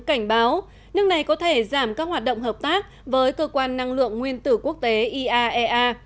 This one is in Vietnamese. cảnh báo nước này có thể giảm các hoạt động hợp tác với cơ quan năng lượng nguyên tử quốc tế iaea